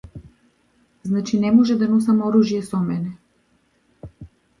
Значи не може да носам оружје со мене.